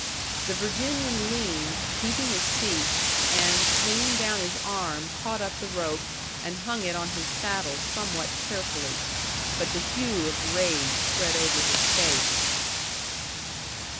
The Virginian leaned, keeping his seat, and, swinging down his arm, caught up the rope, and hung it on his saddle somewhat carefully. But the hue of rage spread over his face.